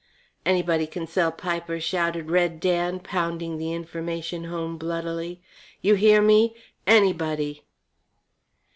"Anybody c'n sell pipers," shouted Red Dan, pounding the information home bloodily. "You hear me? anybody!"